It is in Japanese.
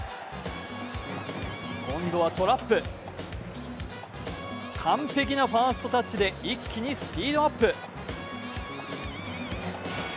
今度はトラップ、完璧なファーストタッチで一気にスピードアップ。